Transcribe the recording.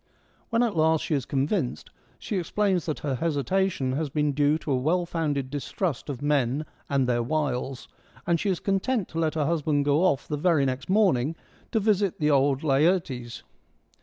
When at last she is convinced, she explains that her hesitation has been due to a well founded distrust of men and their wiles, and she is content to let her husband go off the very next morning to visit the old Laertes.